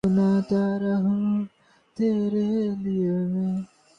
আচ্ছা, কাল দেখা হবে।